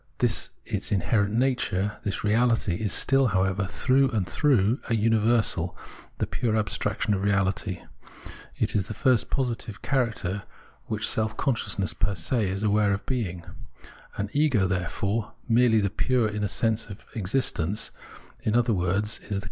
This its inherent nature, this reality, is still, however, through and through a imiversal, the pure abstraction of reahty. It is the first positive character which self consciousness fer se is aware of being, and ego is, there fore, merely the pure, inner essence of existence, in other Rca.son's Ccriaiufi/ and Reason's Truth 227 words, is the.